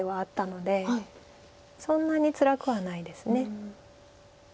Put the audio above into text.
そんなにつらくはないです。